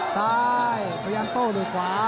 ซ้ายพยายามโต้ด้วยขวา